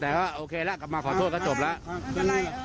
แต่ว่าโอเคแล้วกลับมาขอโทษก็จบแล้ว